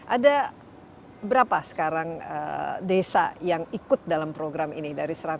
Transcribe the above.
ada berapa sekarang desa yang ikut dalam program ini dari satu ratus tujuh puluh delapan desa